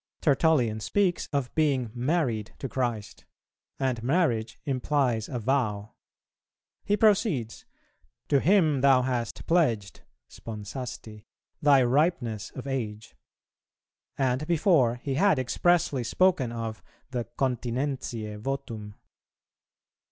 Tertullian speaks of being "married to Christ," and marriage implies a vow; he proceeds, "to Him thou hast pledged (sponsasti) thy ripeness of age;" and before he had expressly spoken of the continentiæ votum.